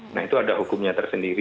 nah itu ada hukumnya tersendiri